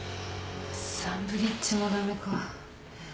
サンブリッジも駄目か。